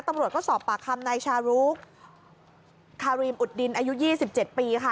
ตำรวจก็สอบปากคำนายชารุกคารีมอุดดินอายุ๒๗ปีค่ะ